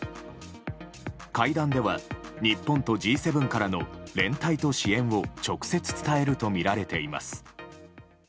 会談では日本とＧ７からの連帯と支援を直接伝えるとみられています。